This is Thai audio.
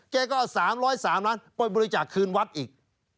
แกก็เอา๓๐๓ล้านก็บริจาคคืนวัฒน์อีก